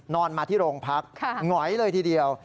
นอนมาที่โรงพักหงอยเลยทีเดียว